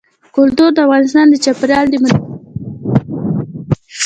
کلتور د افغانستان د چاپیریال د مدیریت لپاره مهم دي.